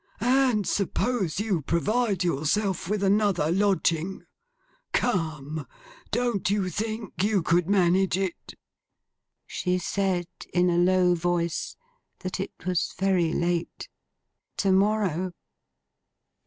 'And suppose you provide yourself with another lodging. Come! Don't you think you could manage it?' She said in a low voice, that it was very late. To morrow.